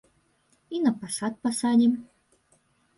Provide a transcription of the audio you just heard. І на пасад пасадзім.